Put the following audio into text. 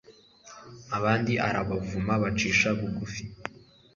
abandi arabavuma, abacisha bugufi